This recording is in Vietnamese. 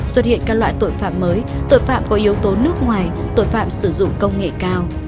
xuất hiện các loại tội phạm mới tội phạm có yếu tố nước ngoài tội phạm sử dụng công nghệ cao